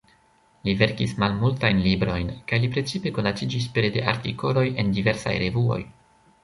Li verkis malmultajn librojn, kaj li precipe konatiĝis pere de artikoloj en diversaj revuoj.